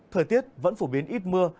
thời tiết vẫn phổ biến ít mưa